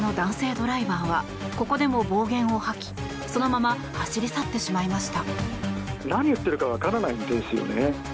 ドライバーはここでも暴言を吐きそのまま走り去ってしまいました。